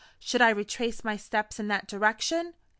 Should I retrace my steps in that direction?